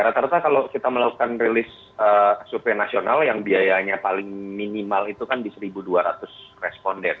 rata rata kalau kita melakukan rilis survei nasional yang biayanya paling minimal itu kan di satu dua ratus responden